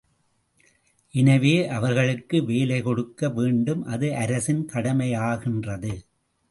எனவே, அவர்களுக்கு வேலை கொடுக்க வேண்டும் அது அரசின் கடமையாகின்றது.